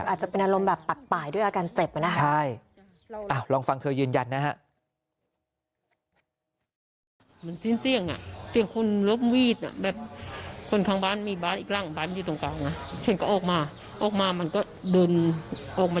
อาจจะเป็นอารมณ์แบบปัดป่ายด้วยอาการเจ็บนะคะ